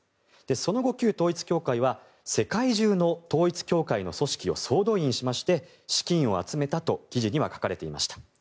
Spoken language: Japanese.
その後、旧統一教会は世界中の統一教会の組織を総動員しまして資金を集めたと記事には書かれていました。